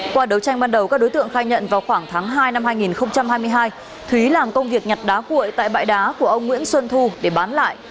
qua đấu tranh ban đầu các đối tượng khai nhận vào khoảng tháng hai năm hai nghìn hai mươi hai thúy làm công việc nhặt đá cuội tại bãi đá của ông nguyễn xuân thu để bán lại